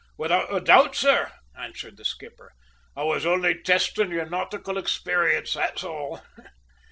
"Without doubt, sir," answered the skipper. "I was only testing your nautical experience, that's all!"